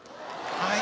はい！